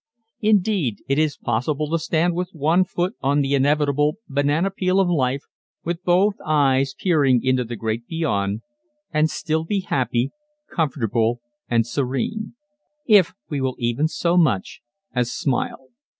Indeed it is possible to stand with one foot on the inevitable "banana peel" of life with both eyes peering into the Great Beyond, and still be happy, comfortable, and serene if we will even so much as smile.